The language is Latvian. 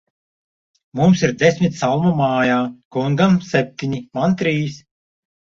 Mums ir desmit salmu mājā; kungam septiņi, man trīs.